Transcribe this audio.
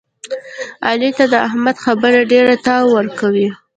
علي ته د احمد خبرې ډېرتاو ورکوي.